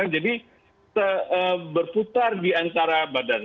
jadi berputar di antara badan